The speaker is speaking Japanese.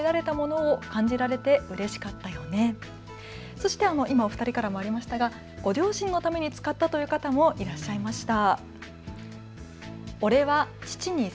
そしてお二人からもありましたがご両親のために使ったという方もいらっしゃいました。